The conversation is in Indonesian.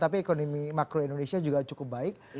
tapi ekonomi makro indonesia juga cukup baik